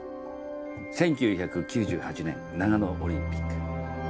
１９９８年長野オリンピック。